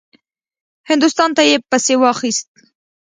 هندوستان ته یې پسې واخیست.